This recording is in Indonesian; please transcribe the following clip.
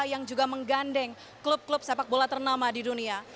yang juga menggandeng klub klub sepak bola ternama di dunia